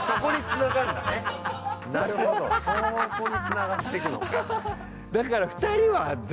なるほどそこにつながっていくのか。